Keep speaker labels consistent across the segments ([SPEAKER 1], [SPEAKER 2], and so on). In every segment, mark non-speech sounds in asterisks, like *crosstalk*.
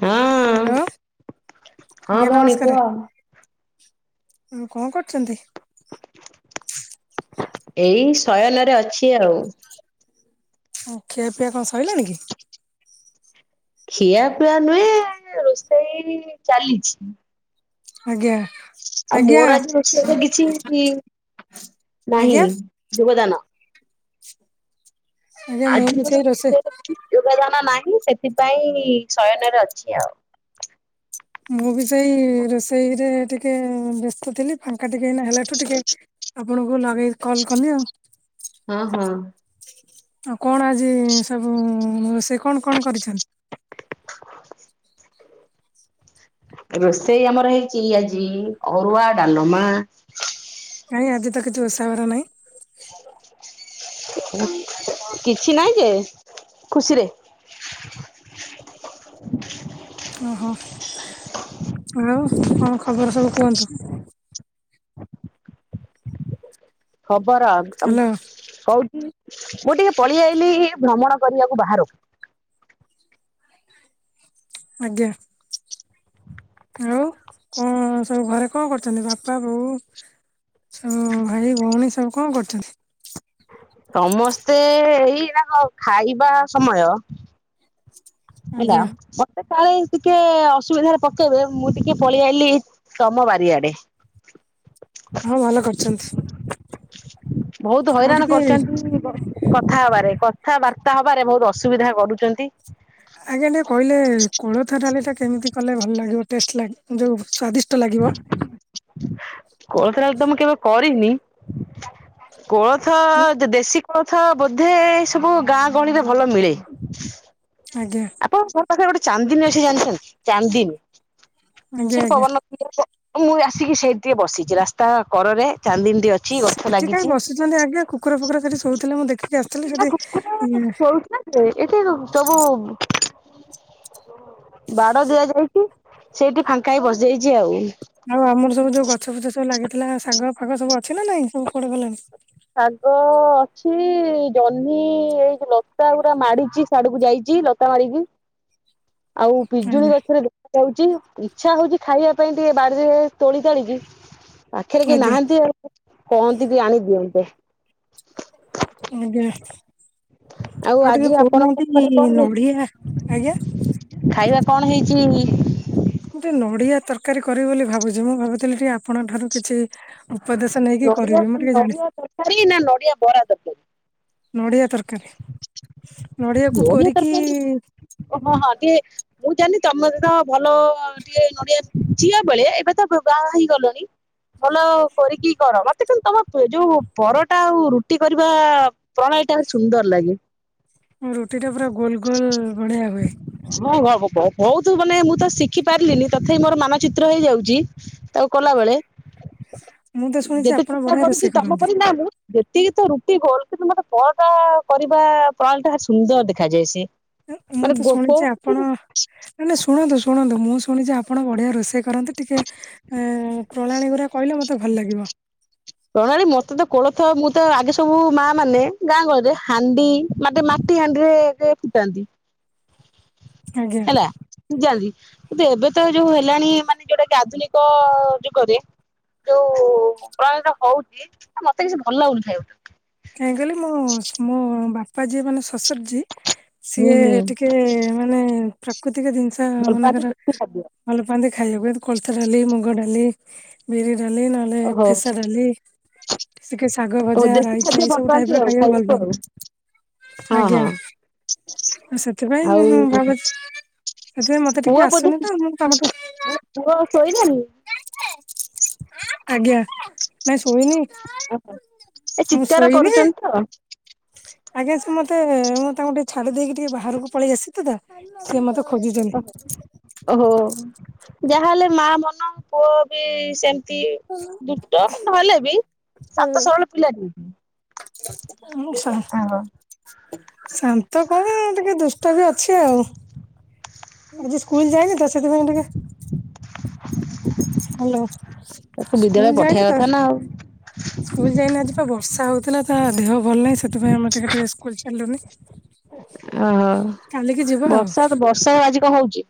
[SPEAKER 1] ହଁଅ,
[SPEAKER 2] ହ୍ୟାଲୋ
[SPEAKER 1] ହଁ ଭଉଣୀ କୁହ।
[SPEAKER 2] ଅ କଣ କରୁଚନ୍ତି?
[SPEAKER 1] ଏଇ ଶୟନ ରେ ଅଛି ଆଉ।
[SPEAKER 2] ହ ଖିଆପିଆ କଣ ସଇଲାଣିି କି?
[SPEAKER 1] ଖିଆ ପିଆ ନୁହେଁ ରୋଷେଇ ଚାଲିଛି।
[SPEAKER 2] ଆଜ୍ଞା।
[SPEAKER 1] ଆଉ
[SPEAKER 2] ଆଜ୍ଞା
[SPEAKER 1] ମୋର ଆଜି ବିଷୟଟା କିଛି -ଇ ନାହିଁ
[SPEAKER 2] ଆଜ୍ଞା
[SPEAKER 1] ଯୋଗଦାନ।
[SPEAKER 2] ଆଜ୍ଞା ମୁଁ
[SPEAKER 1] ଆଜି
[SPEAKER 2] ବି
[SPEAKER 1] ମୋର
[SPEAKER 2] ସେଇ ରୋଷେଇ
[SPEAKER 1] ରୋଷେଇରେ *unintelligible* ନାହିଁ। ସେଥିପାଇଁ ଶୟନରେ ଅଛି ଆଉ।
[SPEAKER 2] ମୁଁ ବି ସେଇ ରୋଷେଇରେ ଟିକେ ବ୍ୟସ୍ତ ଥିଲି ଫାଙ୍କା ଟିକେ ଏଇନା ହେଲାଠୁ ଟିକେ ଆପଣଙ୍କୁ। ନଗେଇକି କଲ୍ କଲି ଆଉ।
[SPEAKER 1] ହଁ ହଁ
[SPEAKER 2] ଆଉ କଣ ଆଜି ସବୁ ସେ କଣ କଣ କରିଛନ୍ତି।
[SPEAKER 1] ରୋଷେଇ ଆମର ହେଇଛି ଆଜି ଅରୁଆ ଡାଲମା।
[SPEAKER 2] ନାଇଁ ଆଜି ତ କିଛି ଓଷା ବାର ନାଇଁ।
[SPEAKER 1] କିଛି ନାହିଁ ଯେ ଖୁସିରେ।
[SPEAKER 2] ଓହୋ ଆଉ କଣ ଖ ଅଗର ସବୁ କୁହନ୍ତୁ।
[SPEAKER 1] ହବ୍। ବରା
[SPEAKER 2] ହ୍ୟାଲୋ
[SPEAKER 1] କହୁଛି ମୁଁ ଟିକେ ପଳେଇ ଆାଇଲିି। ଭ୍ରମଣ କରିବାକୁ ବାହାରୋ।
[SPEAKER 2] ଆଜ୍ଞା। ଆଉ କଣ ସବୁ ଘରେ କଣ କରୁଛନ୍ତି ବାପା ବୋଉ ସୁ ଭାଇ ଭଉଣୀ ସବୁ କଣ କରୁଛନ୍ତି।
[SPEAKER 1] ସମସ୍ତେ ଏଇନା ଖାଇବା ସମୟ। ହେଲା
[SPEAKER 2] ଆଜ୍ଞା
[SPEAKER 1] ମୋତେ କାଳେ ଟିକେ ଅସୁବିଧାରେ ପକେଇବେ। ମୁଁ ଟିକେ ପଳେଇ ଆଇଲି ତମ ବାରିଆଡେ।
[SPEAKER 2] ହଁ ଭଲ କରିଛନ୍ତି।
[SPEAKER 1] *inaudible* ବହୁତ
[SPEAKER 2] ଆଉ
[SPEAKER 1] ହଇରାଣ
[SPEAKER 2] ଟିକେ
[SPEAKER 1] କରୁଛନ୍ତି କଥା ହବାରେ। କ କଥାବାର୍ତ୍ତା ହବାରେ ବହୁତ ଅସୁବିଧା କରୁଛନ୍ତି।
[SPEAKER 2] ଆଜ୍ଞା ଟିକେ କହିଲେ କୋଳଥ ଡାଲି ଟା କେମିତି କଲେ ଭଲ ଲାଗିବ। ଟେଷ୍ଟ ଲା ଯୋଉ ସ୍ଵାଦିଷ୍ଟ ଲାଗିବ।
[SPEAKER 1] କୋଳଥ ଡାଲି ତ ମୁଁ କେବେ କରିନି। କୋଳଥ ଯ ଦେସି କୋଳଥ ବୋଧେ ଏ ସବୁ ଗାଁ ଗହଳିରେ ଭଲ ମିଳେ।
[SPEAKER 2] ଆଜ୍ଞା।
[SPEAKER 1] ଆପଣଙ୍କ ଘର ପାଖରେ ଗୋଟେ ଚାନ୍ଦିନୀ ଅଛି ଜାଣିଛନ୍ତି ଚାନ୍ଦିନୀ।
[SPEAKER 2] ଆଜ୍ଞା
[SPEAKER 1] ସେ
[SPEAKER 2] ଆଜ୍ଞା
[SPEAKER 1] ପବନ *unintelligible* ମୁଁ ଆସିକି ସେଇ ଟିକେ ବସିଛି ରାସ୍ତା କରରେ। ଚାନ୍ଦିନୀତି ଅଛି ଗଛ
[SPEAKER 2] ସେଠି କାଇଁ
[SPEAKER 1] ଲାଗିଛି।
[SPEAKER 2] ବସିଛନ୍ତି ଆଜ୍ଞା କୁକୁର ଫୁକୁର ସେଠି ଶୋଉଥିଲେ ମୁଁ ଦେଖିକି ଆସିଥିଲି ସେଠି ଆଜ୍ଞା
[SPEAKER 1] ବାଡ ଦିଆଯାଇଛି। ସେଇଠି ଫାଙ୍କା ହେଇ ବସିଯାଇଛି ଆଉ।
[SPEAKER 2] ଆଉ ଆମର ସବୁ ଯୋଉ ଗଛ ଫୁଛ ସବୁ ଲାଗିଥିଲା ଶାଗ ଫାଗ ସବୁ ଅଛି ନା ନାଇଁ ସବୁ କୁଆଡେ ଗଲାଣି।
[SPEAKER 1] ଶାଗ ଅଛି ଜହ୍ନି ଏଇ ଯୋଉ ଲତା ଗୁଡା ମାଡିଛି ସ୍ୟାଡକୁ ଯାଇଛି। ଲତା ମାରିକି। ଆଉ ପିଜୁଳି
[SPEAKER 2] ଆଜ୍ଞା
[SPEAKER 1] ଗଛରେ ଦେଖାଯାଉଛି। ଇଚ୍ଛା ହଉଛି ଖାଇବା ପାଇଁ ଟିକେ ବାଡିରେ ତୋଳି ତାଳିକି। ପାଖରେ କି
[SPEAKER 2] ଆଜ୍ଞା
[SPEAKER 1] ନାହାଁନ୍ତି ଆଉ କହନ୍ତି କି ଆଣି ଦିଅନ୍ତି।
[SPEAKER 2] ଆମେ
[SPEAKER 1] ଆଉ ଆଜି ଆପଣଙ୍କଖରେ
[SPEAKER 2] ନଡିଆ ଆଜ୍ଞା
[SPEAKER 1] କଣଛି ଖାଇବା। କଣ ହେଇଛି।
[SPEAKER 2] ଟେ ନଡିଆ ତରକାରୀ କରିବି ବୋଲି ଭାବୁଛି ମୁଁ ଭାବୁଥିଲି ଟିକେ ଆପଣଙ୍କ ଠାରୁ କିଛି
[SPEAKER 1] ଆ
[SPEAKER 2] ଉପଦେଶ ନେଇକି
[SPEAKER 1] ନଆ
[SPEAKER 2] କରିବି ମୁଁ ଟିକେ ଜାଣି
[SPEAKER 1] ତରକାରୀ ନା ନଡିଆ ବରା
[SPEAKER 2] ନଡିଆକୁ
[SPEAKER 1] ତରକାରୀ ନଆ
[SPEAKER 2] କୋରିକି
[SPEAKER 1] ତରକାରୀ ହଁ ହଁ ଟିକେ ମୁଁ ଜା ତମେ ତ ଭଲ ଟିକେ ନଡିଆ ଝିଆ ବେଳେ ଏବେ ତ ବାହା ହେଇଗଲଣି ଭଲ। କରିକି କର ମତେନ୍ତୁ ତମ ଯୋଉ ପରଟା ଆଉ ରୁଟି କରିବା ପ୍ରଣାଳୀ ଟା ସୁନ୍ଦର ଲାଗେ।
[SPEAKER 2] ରୁଟି ଟା ପୁରା ଗୋଲ ଗୋଲ ବଢଆ ହୁଏ।
[SPEAKER 1] ମୁଁ ବହୁତ ମାନେ ମୁଁ ତ ଶିଖି ପାରିଲିନି ତଥାପି ମୋର ମାନଚିତ୍ର ହେଇଯାଉଛି। ତାକୁ କଲାବେଳେ
[SPEAKER 2] ମୁଁ ତ ଶୁଣିଛି
[SPEAKER 1] ଯେତେ
[SPEAKER 2] ଆପଣ
[SPEAKER 1] ଚେଷ୍ଟତା
[SPEAKER 2] ବଢିଆ
[SPEAKER 1] କରୁଛି
[SPEAKER 2] ରୋଷେଇ
[SPEAKER 1] ତମ
[SPEAKER 2] କରନ୍ତି।
[SPEAKER 1] କରି ନ ମୁଁ ଯେତିକି ତ ରୁଟି ଗଲ କିନ୍ତୁ ମତେ ପଳ ଟା କରିବା ପ୍ରଣାଳ ଟା ଭାର ସୁନ୍ଦର ଦେଖାଯାଏ ସେ
[SPEAKER 2] ମୁଁ ତ ଶୁଣିଛି ଆପଣ ନଁ ଶୁଣନ୍ତୁ ଶୁଣନ୍ତୁ ମୁଁ ଶୁଣିଛି ଆପଣ ବଢିଆ ରୋଇ ସେ କରନ୍ତୁ ଟିକେ ପ୍ରଣାଳୀ ଗୁଡା କହିଲେ ମତେ ତେ ଭଲ ଲାଗିବ।
[SPEAKER 1] ପ୍ରଣାଳୀ ମତେ ତ କୋଳଥ ମୁଁ ତ ଆଗେ ସବୁ ମା ମାନେ ଗାଁ ଗହଳିରେ ହାଣ୍ଡି ମାଟି ହାଣ୍ଡିରେ ଫୁଟାନ୍ତି।
[SPEAKER 2] ଆଜ୍ଞା।
[SPEAKER 1] ଜାନ୍ତି କିନ୍ତୁ ଏବେ ତ ଯୋଉ ହେଲାଣି ମାନେ ଯୋଉଟା କି ଆଧୁନିକ ଯୁଗରେ ଯୋଉ ପ୍ରୟ ହଉଛି ନା ମତେ କିଛି ଭଲ ଲାଗୁନିଥାଏ ଗୋଟ।
[SPEAKER 2] କାହିଁ କହିଲି ମୁଁ ମଁ ବାପା ଯିଏ ମାନେ। ଫସର୍ଜୀ
[SPEAKER 1] ହୁଁ
[SPEAKER 2] ସିଏ
[SPEAKER 1] ହୁଁ
[SPEAKER 2] ଟିକେ ମାନେ ପ୍ରତିକ ଜିନିଷ
[SPEAKER 1] ଭଲ ପାଆନ୍ତି
[SPEAKER 2] ମାନଙ୍କର
[SPEAKER 1] ଦେଶୀ ଖାଦ୍ୟ
[SPEAKER 2] ଭଲ ପାଆନ୍ତି ଖାଇବାକୁ କଳତା ଡାଲି ମୁଗ ଡାଲି ବି ଡାଲି ନହେଲେ
[SPEAKER 1] ଓହୋ
[SPEAKER 2] ଫେସା ଡାଲିିକ ଶାଗ
[SPEAKER 1] ଓ
[SPEAKER 2] ଭଜା ର
[SPEAKER 1] ଦେଶୀ ଖାଦ୍ୟ
[SPEAKER 2] ଏଇ
[SPEAKER 1] ଭଲ
[SPEAKER 2] ସବୁ ଟାଇପ
[SPEAKER 1] ପାଆନ୍ତି
[SPEAKER 2] ର
[SPEAKER 1] ଆଉ
[SPEAKER 2] ଖାଇବାକୁ ଭଲ ପା
[SPEAKER 1] ଆଉ
[SPEAKER 2] ଆଜ୍ଞା
[SPEAKER 1] ହଁ
[SPEAKER 2] ସେଥିପାଇଁ ମୁଁ
[SPEAKER 1] ହଁ ଆଉ
[SPEAKER 2] ଭାବୁଛି ସେଥିପାଇଁ ମତେ ଟିକେ
[SPEAKER 1] ପୁଅ ବୋଧେ
[SPEAKER 2] ଆସୁନି ତ ମୁଁ ତମଠୁ
[SPEAKER 1] ପୁଅ ପୁଅ ଶୋଇଲାଣି
[SPEAKER 2] ଆଜ୍ଞା। ହ ନାଇଁ ଶୋଇନି।
[SPEAKER 1] ଅତାର
[SPEAKER 2] ଶୋଇନି
[SPEAKER 1] କରୁଛନ୍ତି ତ
[SPEAKER 2] ଆଜ୍ଞା ସେ ମତେ ମୁଁ ତାଙ୍କୁଟିକେ ଛାଡି ଦେଇକି ଟିକେ ବାହାରକୁ ପଳେଇ ଆସିଥିଲି ସିଏ ମତେ ଖୋଜିଛନ୍ତି।
[SPEAKER 1] ଓହୋ। ଯାହାହେଲେ ମା ମନ ପୁଅ ବି ସେମତି ଦୁଷ୍ଟ ନହେଲେ ଏବେ ବି ସାନ୍ତ ସରଳ
[SPEAKER 2] ମୁଁ ଶା
[SPEAKER 1] ପିଲାଟିଏ।
[SPEAKER 2] ଶାନ୍ତ କଣ ଟିକେ ଦୁଷ୍ଟ ବି ଅଛି ଆଉ ଆଜି ସ୍କୁଲ ଯାଇନି ତ ସେଥିପାଇଁ ଟିକେ ହାଲୋ
[SPEAKER 1] ତାକୁ
[SPEAKER 2] ସ୍କୁଲ
[SPEAKER 1] ବିଦ୍ୟାଳୟ
[SPEAKER 2] ଯାଇନି
[SPEAKER 1] ପଠେଇବା
[SPEAKER 2] ତ
[SPEAKER 1] କଥା ନା ଆଉ।
[SPEAKER 2] ସ୍କୁଲ ଯାଇନି ଆଜି ପା ବର୍ଷା ହଉ ଥିଲା ତା ଦେହ ଭଲ ନାହିଁ ସେଥିପାଇଁ ଆମେ ଟିକେ ଟିକେ ସ୍କୁଲ ଛାଡିଲୁନି।
[SPEAKER 1] ଓହୋ
[SPEAKER 2] କାଲିକି ଯିବା ଆଉ
[SPEAKER 1] ବର୍ଷା ତ ବର୍ଷା ଆଜି କଣ ହୋଉଚି।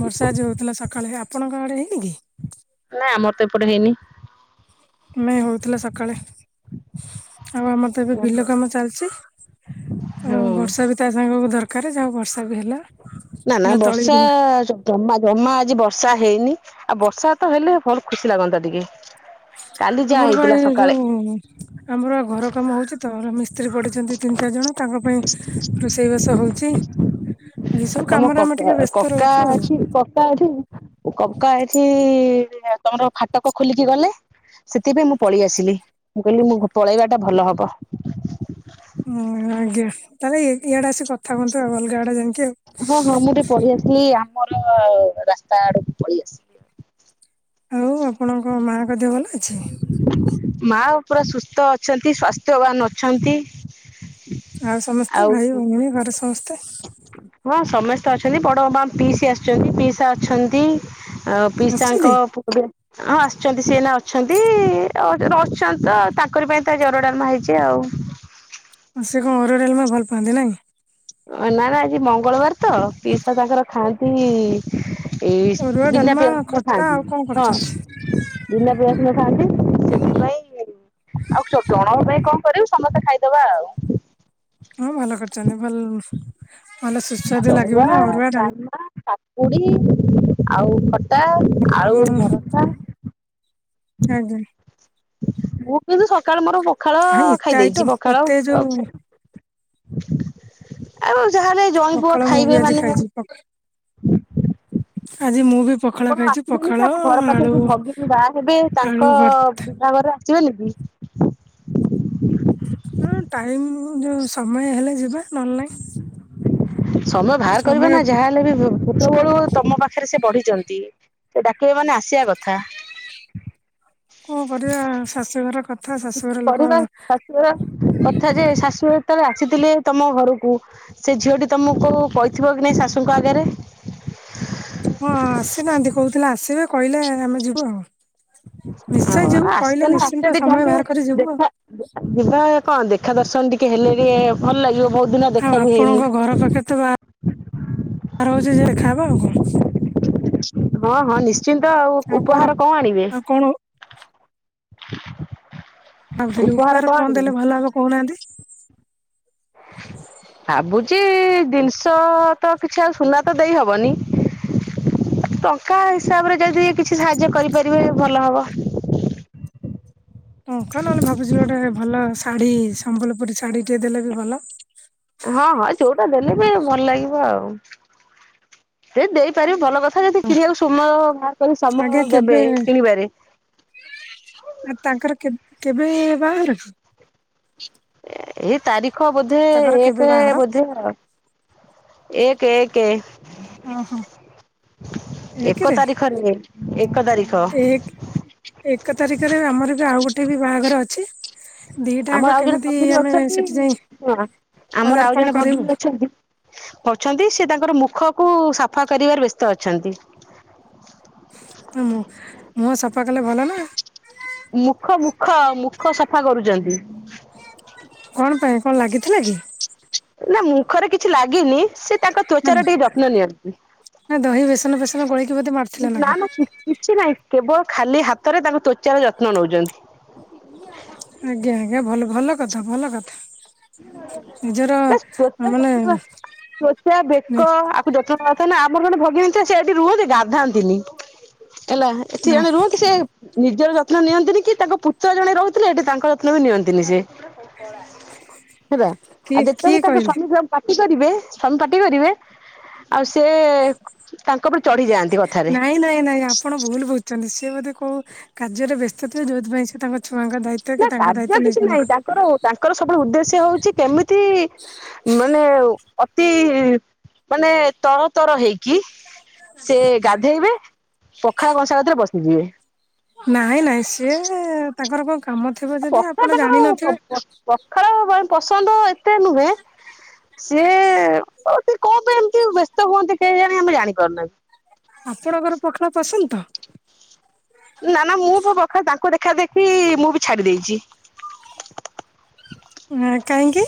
[SPEAKER 2] ବର୍ଷା ଆଜି ହଉଥିଲା ସକାଳେ ଆପଣଙ୍କ ଆଡେ ହେଇନି କି?
[SPEAKER 1] ନାଇଁ ଆମର ତ ଏପଟେ ହେଇନି ।
[SPEAKER 2] ନାଇ ହଉଥିଲା ସକାଳେ । ଆଉ ଆମର ତ ଏବେ ବିଲ
[SPEAKER 1] ହୁଁ
[SPEAKER 2] କାମ ଚାଲିଛି ଆଉ ବର୍ଷା ବି ତା ସାଙ୍ଗ କୁ ଦର ଦକାରେ ଜା ହଉ ବର
[SPEAKER 1] ନା ନା ବର୍ଷା ଜମା ଜମା ଆଜି ବର୍ଷା ହେଇନି । ଆଉ ବର୍ଷା ତ ହେଲେ ଭଲ ଖୁସି ଲାଗନ୍ତା ଟିକେ। କାଲି ଯାହା
[SPEAKER 2] ଆମର ବା
[SPEAKER 1] ହେଇଥିଲା
[SPEAKER 2] ଏ
[SPEAKER 1] ସକାଳେ।
[SPEAKER 2] ଯୋଉ ଆମର ବା ଘର କାମ ହଉଛି ତ ଏରା ମିସ ସ୍ତ୍ରୀ ପଡିଛନ୍ତି ତିନି ଚାରି ଜଣ
[SPEAKER 1] ଆଉ
[SPEAKER 2] ତାଙ୍କ ପାଇଁ ରୋଷେଇ ବାସ ହଉଛି ଏଇ ସବୁ
[SPEAKER 1] ତମ
[SPEAKER 2] କାମରେ ଆମେ
[SPEAKER 1] କକା
[SPEAKER 2] ଟିକେ ବ୍ୟସ୍ତ
[SPEAKER 1] କକା
[SPEAKER 2] ରହୁଛୁ ଆଉ।
[SPEAKER 1] ଅଛି କକା ଅଛି କକା ଏଠି ତମର ଫାଟକ ଖୋଲିକି ଗଲେ ସେଥିପାଇଁ ମୁଁ ପଳେଇ ଆସିଲି ମୁଁ କହିଲି ମୁଁ ପଳେଇବା ଟା ଭଲ ହବ।
[SPEAKER 2] ହୁଁ ଆଜ୍ଞା। ତାହେଲେ ଇଆଡେ ଆସିିକି କଥା ହୁନ୍ତୁ ଆଉ ଅଲଗା ଆଡେ ଯାଇକି ଆଉ।
[SPEAKER 1] ମୋର ରାସ୍ତା ଆଡକୁ ପଳେଇ ଆସି
[SPEAKER 2] ଆଉ ଆପଣଙ୍କ ମାଙ୍କ ଦେହ ଭଲ ଅଛି?
[SPEAKER 1] ମା ପୁରା ସୁସ୍ଥ ଅଛନ୍ତି ସ୍ୱାସ୍ଥ୍ୟବାନ ଅଛନ୍ତି।
[SPEAKER 2] ଆଉ ସମସ୍ତେ ଭାଇ ଭଉଣୀ ଘରେ ସମସ୍ତେ?
[SPEAKER 1] ହଁ ସମସ୍ତେ ଅଛନ୍ତି ବଡ ମା ପିଇସି ଆସିଛନ୍ତି ପିଇସା ଅଛନ୍ତି। ଆ ପିସାଙ୍କ
[SPEAKER 2] ଆସିଛନ୍ତି?
[SPEAKER 1] ପୁଅ ହଁ ଆସ ଛନ୍ତି ସିଏ ଏନା ଅଛନ୍ତି
[SPEAKER 2] ହଁ
[SPEAKER 1] ଅଛନ୍ତି ତାଙ୍କରି ପାଇଁ ତା ଅରୁଆ ଡାଲମା ହେଇଛି ଆଉ
[SPEAKER 2] ସେ କଣ ଅରୁଆ ଡ଼ାଲମା ଭଲ ପାଆନ୍ତି ନାଇଁ।
[SPEAKER 1] ନା ନା ଆଜି ମଙ୍ଗଳବାର ତ ପିସା ତାଙ୍କର ଖାଆନ୍ତି। ଏଇ
[SPEAKER 2] ଅରୁଆ
[SPEAKER 1] ବିନା
[SPEAKER 2] ଡାଲମା
[SPEAKER 1] ପିଆଜ ରସୁଣ
[SPEAKER 2] ଖଟା ଆଉ କଣ
[SPEAKER 1] ଖାଆନ୍ତି
[SPEAKER 2] କରିଛନ୍ତି
[SPEAKER 1] ହଁ ବିନା ପିଆଜ ରସୁଣ ଖାଆନ୍ତି ସେଥିପାଇଁ ଆଉ ଜଣଙ୍କ ପାଇଁ କଣ କରିବୁ ସମସ୍ତେ ଖାଇଦବା ଆଉ।
[SPEAKER 2] ହଁ ଭଲ କରିଛନ୍ତି। ଭଲ ଭଲ ସୁସ୍ୱାଦୁ ଲାଗିବ ନା ଅରୁଆ ଡାଲମା
[SPEAKER 1] ପାପୁଡ଼ି ଆଉ ଖଟା। ଆଳୁ
[SPEAKER 2] ଆମର
[SPEAKER 1] ଭରତା।
[SPEAKER 2] ଆଜ୍ଞା।
[SPEAKER 1] ମୁଁ କିନ୍ତୁ ସକାଳୁ ମୋର ପ ପଖାଳ
[SPEAKER 2] ହାଇ ଏତେ
[SPEAKER 1] ଖାଇ ଦେଇଛି
[SPEAKER 2] ଆଇଟମ
[SPEAKER 1] ପଖାଳ
[SPEAKER 2] ଏତେ ଯୋଉ
[SPEAKER 1] *inaudible* ଆଉ ଯାହେଲେ ଜଇଁ ପୁଅ
[SPEAKER 2] ପଖାଳ ମୁଁ ବି
[SPEAKER 1] ଖାଇବେ
[SPEAKER 2] ଆଜି
[SPEAKER 1] ମାନେ।
[SPEAKER 2] ଖାଇଛି
[SPEAKER 1] *inaudible*
[SPEAKER 2] ଆଜି ମୁଁ ବି ପଖାଳ
[SPEAKER 1] ଆପଣ
[SPEAKER 2] ଖାଇଛି
[SPEAKER 1] ଆସିବେନି
[SPEAKER 2] ପଖାଳ
[SPEAKER 1] କି ଆପଣ ଘର ପାଖରେ
[SPEAKER 2] ଆଳୁ
[SPEAKER 1] ଯୋଉ ଭଗିନୀ ବାହା ହେବେ ତାଙ୍କ
[SPEAKER 2] ଆଳୁ ଭର୍ତ୍ତା
[SPEAKER 1] ବିହାଘରରେ ଆସିବେନି କି?
[SPEAKER 2] ହଁ ଟାଇମ୍ ଯୋଉ ସମୟ ହେଲେ ଯିବା ନହେଲେ ନାଇଁ।
[SPEAKER 1] ସମୟ ବାହାର କରିବେ
[SPEAKER 2] ସମୟ
[SPEAKER 1] ନା ଯାହାହଲେ ବି ଛୋଟବେଳୁ ତମ ପାଖରେ ସେ ବଢିଛନ୍ତି ସେ ଡାକିବ ମାନେ ଆସିବା କଥା।
[SPEAKER 2] କଣ କରିବା ଶାଶୁ ଘର କଥ୍
[SPEAKER 1] ପରିବାର ଶାଶୁଘର କଥା ଯେ ଶାଶୁ ଯେତେବେଳେ ଆସିଥିଲେ ତମ ଘରକୁ ସେ ଝିଅଟି ତମକୁ କହିଥିବ କି ନାଇଁ ଶାଶୁଙ୍କ ଆଗରେ।
[SPEAKER 2] ହଁ ଆସିନାହାନ୍ତି କହୁଥିଲେ ଆସିବେ। କହିଲେ ଆମେ ଯିବୁ ଆଉ। ନିଶ୍ଚୟ
[SPEAKER 1] ହଉ
[SPEAKER 2] ଯିବୁ କହିଲେ
[SPEAKER 1] ଆସିବ ନା
[SPEAKER 2] ନିଶ୍ଚିନ୍ତ
[SPEAKER 1] ଆସେ ଟିକେ
[SPEAKER 2] ସମୟ ବାହାର କରି ଯିବୁ ଆଉ।
[SPEAKER 1] ଦେଖା ଯିବା ହଁ ଦେଖା ଦର୍ଶନ ଟିକେ ହେଲେ ଟିକେ ଭଲ ଲାଗିବ। ବହୁତ ଦିନ
[SPEAKER 2] ଆଉ
[SPEAKER 1] ଦେଖା ବି
[SPEAKER 2] ଆପଣଙ୍କ
[SPEAKER 1] ହେଇନି।
[SPEAKER 2] ରହୁଛି ଯେ ଦେଖା ହବ ଆଉ କଣ।
[SPEAKER 1] ହଁ ହଁ ନିଶ୍ଚ ନିଶ୍ଚିନ୍ତ ଆଉ ଉପହାର କଣ ଆଣିବେ?
[SPEAKER 2] *inaudible*
[SPEAKER 1] *inaudible*
[SPEAKER 2] ଭାବୁଥିଲି ଉପହାର କଣ ଦେଲେ ଭଲ ହବ କହୁନାହାନ୍ତି?
[SPEAKER 1] ଭାବୁଛି ଜିନିଷ ତ କିଛି ଆଉ ସୁନା ତ ଦେଇ ହବନି ଟଙ୍କା ହିସାବରେ ଯଦି କିଛି ସାହାଯ୍ୟ କରିପାରିବେ ଭଲ ହବ।
[SPEAKER 2] ଟଙ୍କା ନହେଲେ ଭାବୁଛ ଗୋଟେ ଭଲ ଶାଢ଼ୀ ସମ୍ବଲପୁରୀ ଶାଢୀ ଟେ ଦେଲେ ବି ଭଲ।
[SPEAKER 1] ହଁ ହଁ ଯୋଉଟା ଦେଲେ ବି ଭଲ ଲାଗିବ ଆଉ ଯଦି ଦେଇପାରିବୁ ଭଲ କଥା। ଯଦି କିଣିବାକୁ ସମୟ ବାହାର କରି ସମୟ
[SPEAKER 2] ଆଜ୍ଞା
[SPEAKER 1] ଦେବେ
[SPEAKER 2] କେବେ
[SPEAKER 1] କିଣିବାରେ।
[SPEAKER 2] ଆ ତାଙ୍କର କେବେ ବାହାଘର?
[SPEAKER 1] ଏ ତାରିଖ ଆଖ ବୁଦ୍ଧେ
[SPEAKER 2] ତାଙ୍କର କେବେ
[SPEAKER 1] ଏକ
[SPEAKER 2] ବାହାଘର?
[SPEAKER 1] ବୋଧେ। ଏକେ ଏକେ।
[SPEAKER 2] ଓ ହୋ।
[SPEAKER 1] ଏକ
[SPEAKER 2] ଏକରେ
[SPEAKER 1] ତାରିଖରେ ଏକ ତାରିଖ
[SPEAKER 2] ଏକ ଏକ ତାରିଖରେ ଆମର ବି ଆଉ ଗୋଟେ ଗୋଟେ ବି ବାହାଘର ଅଛି। ଦିଟାଙ୍କ
[SPEAKER 1] ଆମର ଆଉ ଜଣେ
[SPEAKER 2] କେମିତି
[SPEAKER 1] ଭଗଣୀ
[SPEAKER 2] ଆମେ
[SPEAKER 1] ଅଛନ୍ତି
[SPEAKER 2] ସେଠି ଯାଇ
[SPEAKER 1] ହ ଆମର ଆଉ
[SPEAKER 2] ପଦାର୍ପଣ
[SPEAKER 1] ଜଣେ
[SPEAKER 2] କରିବୁ
[SPEAKER 1] ଭଗିଣୀ ଅଛନ୍ତି ଅଛନ୍ତି ସେ ତାଙ୍କର ମୁଖ ମୁଖ କୁ ସଫା କରିବାରେ ବ୍ୟସ୍ତ ଅଛନ୍ତି।
[SPEAKER 2] ହଁ ମୁଁ ମୁହଁ ସଫା କଲେ ଭଲ ନା।
[SPEAKER 1] ମୁଖ ମୁଖ ମୁଖ ସଫା କରୁଛନ୍ତି। ହଁ।
[SPEAKER 2] କଣ ପାଇଁ କଣ ଲାଗିଥିଲା କି?
[SPEAKER 1] ନା ମୁଖରେ କିଛି ଲାଗିନି ସେ ତାଙ୍କ ତ୍ବଚାର ଟିକେ ଯତ୍ନ ନିଅନ୍ତି
[SPEAKER 2] ନା ଦହି ବେସନ ଫେସନ ଗୋଳେଇକି ବୋଧେ ମାରିଥିଲେ
[SPEAKER 1] ନା
[SPEAKER 2] କଣ?
[SPEAKER 1] କିଛି ନାହିଁ। କେବଳ ଖାଲି ହାତ। ଥରେ ତାଙ୍କୁ ତ୍ୱଚାର ଯତ୍ନ ନଉଛନ୍ତି।
[SPEAKER 2] ଆଜ୍ଞା ଆଜ୍ଞା ଭଲ ଭଲ କଥା ଭଲ କଥା। ନିଜର
[SPEAKER 1] ତଚ
[SPEAKER 2] ମାନେ
[SPEAKER 1] ତ୍ୱବଚା ବେକ ଆକୁ ଯତ୍ନ ତ ସେ ଆମର ଗୋଟେ ଭଗିିନୀ ସେ ଏଇଠି ରୁହନ୍ତି ଗାଧାନ୍ତିନି। ହେଲା
[SPEAKER 2] ନା
[SPEAKER 1] ଏଠି ଜଣେ ରୁହନ୍ତି ସେ ନିଜର ଯତ୍ନ ନିଅନ୍ତିନି କି ତାଙ୍କ ପୁତ୍ର ଜଣେ ରହୁଥିଲେ ଏଠି ତାଙ୍କର ଯତ୍ନ ବି ନିଅନ୍ତିନି ସେ।
[SPEAKER 2] ହୁଁ।
[SPEAKER 1] ହେ ଆଉ ଯେତେବେଳେ ତାଙ୍କ ସ୍ବାମୀ ପାଟି କରିବେ ସ୍ବାମୀ ପାଟି କରିବେ। ଆଉ ସେ ତାଙ୍କ ଉପ ଚଢି ଯାଆନ୍ତି କଥାରେ।
[SPEAKER 2] ନାଇଁ ନାଇଁ ନାଇଁ ଆପଣ ଭୁଲ ବୁଝୁଛନ୍ତି ସିଏ ବୋଧେ କୋଉ କାର୍ଯ୍ୟରେ ବ୍ୟସ୍ତ ଯୋଉଥିପାଇଁ ସେ ତାଙ୍କ ଛୁଆଙ୍କ ଦାୟିତ୍ୱ କି
[SPEAKER 1] ନା
[SPEAKER 2] ତାଙ୍କ
[SPEAKER 1] କାର୍ଯ୍ୟ
[SPEAKER 2] ଦାୟିତ୍ୱ
[SPEAKER 1] କିଛି ନାହିଁ
[SPEAKER 2] ନେଇପାରୁନଥିବେ
[SPEAKER 1] ତାଙ୍କର ତାଙ୍କର ସବୁବେଳେ ଉଦ୍ଦେଶ୍ୟ ହଉଛି କେମିତି ମାନେ ଅତି ମାନେ ତର ତର ହେଇକି। ସେ ଗାଧେଇବେ ପଖାଳ କଂସା କତିରେ ବସିଯିବେ।
[SPEAKER 2] ନାଇଁ ନାଇଁ ସିଏ ତାଙ୍କର କଣ? କାମ ଥିବ ଯଦି ଆପଣ
[SPEAKER 1] ପଖାଳ
[SPEAKER 2] ଜାଣିନଥିବେ।
[SPEAKER 1] ତାଙ୍କର କଖଳ ପସନ୍ଦ ଏତେ ନୁହେଁ ସିଏ ଆଉ ଟିକେ କଣ? ଏମିତି ବ୍ୟସ୍ତ ହୁଅନ୍ତି କେହି ଜାଣି ଆମେ ଜାଣିପାରୁନାହିଁ।
[SPEAKER 2] ଆପଣଙ୍କର ପଖଣା ପସନ୍ଦ ତ।
[SPEAKER 1] ନା ନା ମୁଁ ପ ପ୍ରଖ ତାଙ୍କ କ ଦେଖା ଦେଖି ମୁଁ ବି ଛାଡି ଦେଇଛି।
[SPEAKER 2] ହୁଁ। କାହିଁକି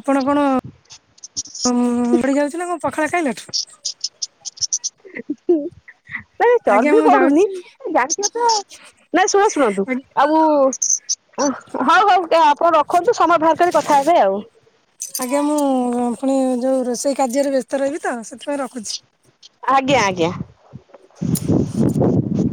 [SPEAKER 2] ଆପଣ କଣ ଉଁ ବଢି ଯାଉଛି ନା କଣ ପଖାଳ ଖାଇଲେ?
[SPEAKER 1] ନାଇ ଚର୍ବି
[SPEAKER 2] ମୁଁ
[SPEAKER 1] ପଡୁନି
[SPEAKER 2] ଯାଉଛି।
[SPEAKER 1] ଜାଣିଥିବେ ତ ନାଇଁ ଶୁଣ ଶୁଣନ୍ତୁ ଆଉ ହ ହଉ ହଉ ଆପଣ ରଖନ୍ତୁ ସମୟ ବାହାର କରି କଥା ହେବେ ଆଉ।
[SPEAKER 2] ସେଇ କାର୍ଯ୍ୟରେ ବ୍ୟସ୍ ତ ରହିବି ତ ସେଥିପାଇଁ ରଖୁଚି।
[SPEAKER 1] ହଁ। ହଁ।